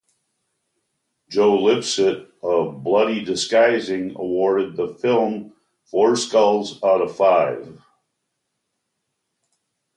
Joe Lipsett of Bloody Disgusting awarded the film four skulls out of five.